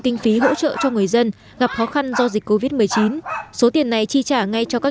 kinh phí hỗ trợ cho người dân gặp khó khăn do dịch covid một mươi chín số tiền này chi trả ngay cho các